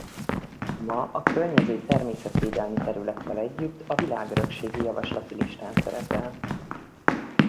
Ma a környező természetvédelmi területtel együtt a világörökségi javaslati listán szerepel.